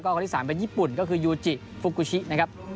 จากแคนาดาแล้วก็คนที่สามเป็นญี่ปุ่นก็คือยูจิฟุกุชินะครับ